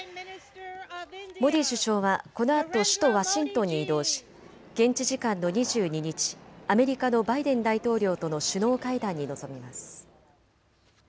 モディ首相はこのあと首都ワシントンに移動し現地時間の２２日、アメリカのバイデン大統領との首脳会談に臨みます。